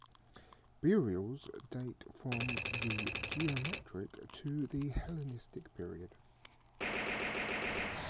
Burials date from the geometric to the Hellenistic period.